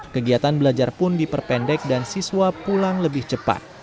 kegiatan belajar pun diperpendek dan siswa pulang lebih cepat